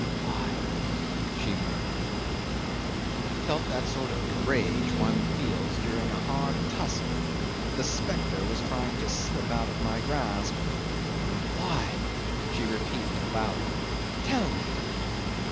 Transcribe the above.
"Why?" she murmured. I felt that sort of rage one feels during a hard tussle. The spectre was trying to slip out of my grasp. "Why?" she repeated louder; "tell me!"